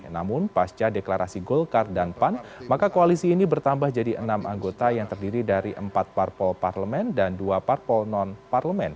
namun pasca deklarasi golkar dan pan maka koalisi ini bertambah jadi enam anggota yang terdiri dari empat parpol parlemen dan dua parpol non parlemen